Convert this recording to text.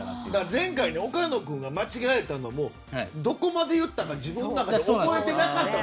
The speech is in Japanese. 前回、岡野君が間違えたのもどこまで言ったか自分の中で覚えてなかった。